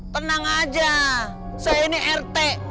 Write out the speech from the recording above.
tenang aja saya ini rt